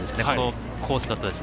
このコースだと。